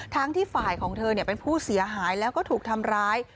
ที่ฝ่ายของเธอเป็นผู้เสียหายแล้วก็ถูกทำร้าย